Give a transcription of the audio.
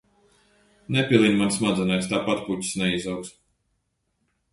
Nepilini man smadzenēs, tāpat puķes neizaugs!